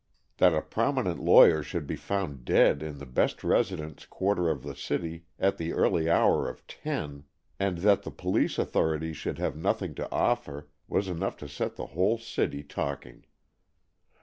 That a prominent lawyer should be found dead in the best residence quarter of the city at the early hour of ten, and that the police authorities should have nothing to offer, was enough to set the whole city talking.